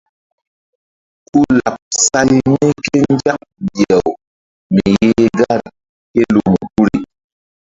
Ku laɓ say mí ké nzak mbih-aw mi yeh gar ké lumu guri.